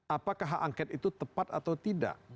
apakah hak angket itu tepat atau tidak